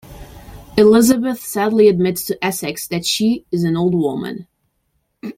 Elizabeth sadly admits to Essex that she is an old woman.